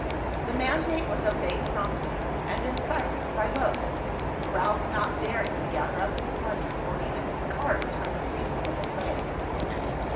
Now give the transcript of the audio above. The mandate was obeyed promptly and in silence by both, Ralph not daring to gather up his plunder, or even his cards from the table where they lay.